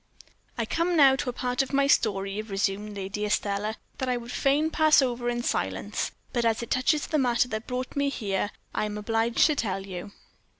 "I come now to a part of my story," resumed Lady Estelle, "that I would fain pass over in silence; but as it touches the matter that brought me here, I am obliged to tell you."